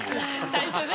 最初ね。